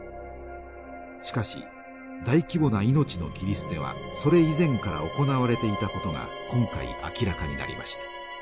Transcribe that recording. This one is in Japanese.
しかし大規模な命の切り捨てはそれ以前から行われていたことが今回明らかになりました。